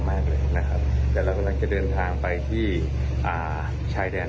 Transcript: มากเลยนะครับแต่เรากำลังจะเดินทางไปที่อ่าชายแดน